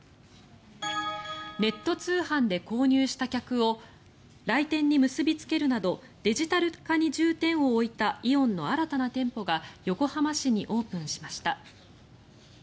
ネット通販で購入した客を来店に結びつけるなどデジタル化に重点を置いたイオンの新たな店舗が横浜市にオープンしました。